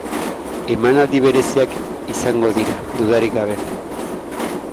Emanaldi bereziak izango dira, dudarik gabe.